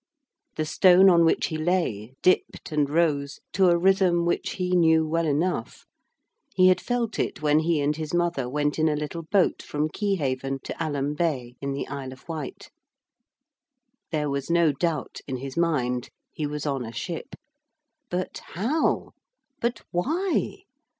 The stone on which he lay dipped and rose to a rhythm which he knew well enough. He had felt it when he and his mother went in a little boat from Keyhaven to Alum Bay in the Isle of Wight. There was no doubt in his mind. He was on a ship. But how, but why?